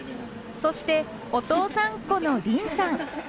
そしてお父さんっ子の凜さん。